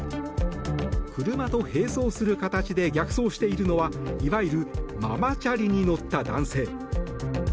車と並走する形で逆走しているのはいわゆるママチャリに乗った男性。